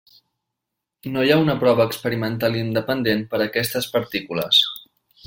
No hi ha una prova experimental independent per a aquestes partícules.